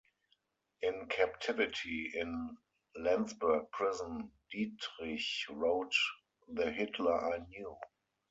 In captivity in Landsberg Prison, Dietrich wrote The Hitler I Knew.